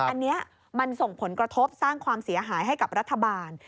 อันนี้มันส่งผลกระทบสร้างความเสียหายให้กับรัฐบาล